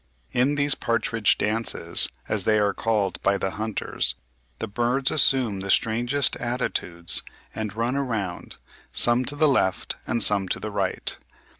In these Partridge dances, as they are called by the hunters, the birds assume the strangest attitudes, and run round, some to the left and some to the right.